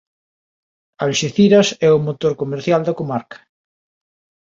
Alxeciras é o motor comercial da comarca.